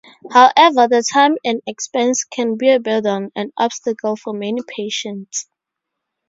However, the time and expense can be a burden and obstacle for many patients.